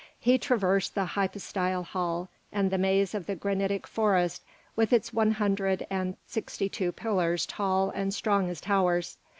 He traversed the hypostyle hall and the maze of the granitic forest with its one hundred and sixty two pillars tall and strong as towers.